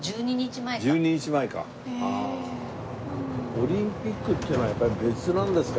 オリンピックっていうのはやっぱり別なんですか？